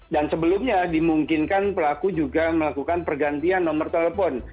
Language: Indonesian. dan sebelumnya dimungkinkan pelaku juga melakukan pergantian nomor telepon